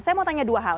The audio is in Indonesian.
saya mau tanya dua hal